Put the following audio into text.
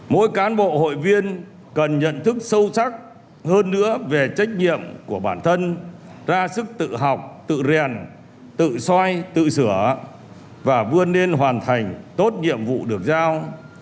mỗi cán bộ hội viên cần nhận thức sâu sắc hơn nữa về trách nhiệm của bản thân ra sức tự học tự rèn tự soi tự sửa và vươn lên hoàn thành tốt nhiệm vụ được giao